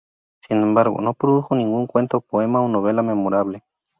Sin embargo, no produjo ningún cuento, poema o novela memorable.